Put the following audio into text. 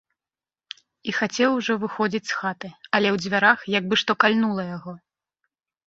І хацеў ужо выходзіць з хаты, але ў дзвярах як бы што кальнула яго.